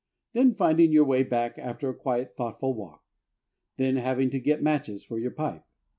Then, finding your way back after a quiet, thoughtful walk. Then, having to get matches for your pipe.